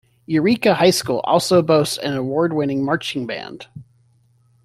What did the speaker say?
Eureka High school also boasts an award-winning marching band.